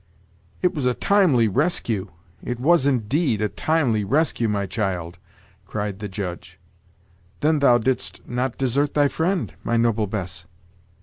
"It was a timely rescue! it was, indeed, a timely rescue, my child!" cried the Judge. "Then thou didst not desert thy friend, my noble Bess?"